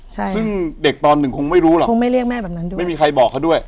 ซึ่งเด็กตอนหนึ่งคงไม่รู้หรอกไม่มีใครบอกเขาด้วยคงไม่เรียกแม่แบบนั้นด้วย